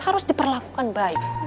harus diperlakukan baik